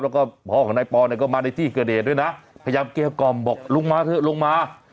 แล้วก็พ่อของนายปอเนี่ยก็มาในที่เกิดเหตุด้วยนะพยายามเกลี้ยกล่อมบอกลงมาเถอะลงมา